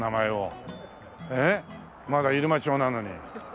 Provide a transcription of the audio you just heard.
えっまだ入間町なのに。